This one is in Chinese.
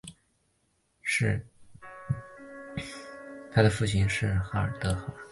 她的父亲是德哈尔。